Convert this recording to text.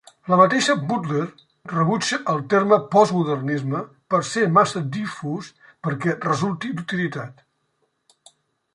La mateixa Butler rebutja el terme "postmodernisme" per ser massa difús perquè resulti d'utilitat.